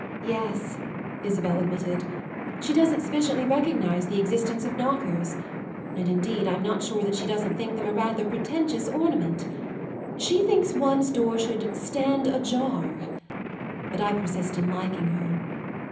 "Yes," Isabel admitted, "she doesn't sufficiently recognise the existence of knockers; and indeed I'm not sure that she doesn't think them rather a pretentious ornament. She thinks one's door should stand ajar. But I persist in liking her."